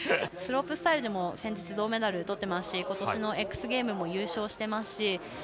スロープスタイルでも先日銅メダルをとっていますし今年のＸＧＡＭＥＳも優勝していますし。